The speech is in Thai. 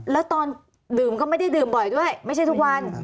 แล้วตอนดื่มก็ไม่ได้ดื่มบ่อยด้วยไม่ใช่ทุกวัน